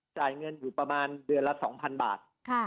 จ่ายเงินอยู่ประมาณเดือนละ๒๐๐๐บาท